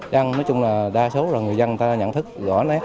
chẳng nói chung là đa số là người dân ta nhận thức rõ nét